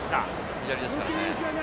左ですからね。